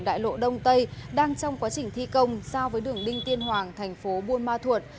đại lộ đông tây đang trong quá trình thi công giao với đường đinh tiên hoàng tp bùa ma thuột